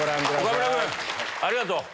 岡村君ありがとう！